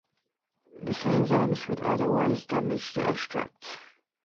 These enzymes would otherwise damage the extract.